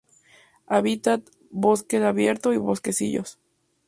Hábitat: bosque abierto y bosquecillos.